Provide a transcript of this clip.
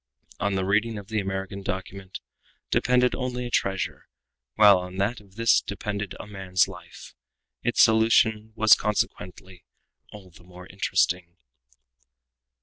On the reading of the American document depended only a treasure, while on that of this one depended a man's life. Its solution was consequently all the more interesting.